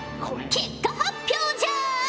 結果発表じゃ！